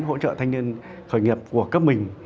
hỗ trợ thanh niên khởi nghiệp của cấp mình